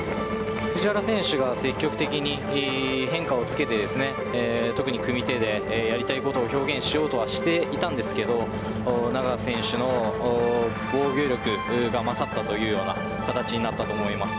藤原選手が積極的に変化をつけて特に組み手でやりたいことを表現しようとはしていたんですが永瀬選手の防御力が勝ったというような形になったと思います。